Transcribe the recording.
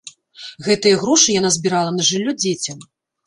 Гэтыя грошы яна збірала на жыллё дзецям.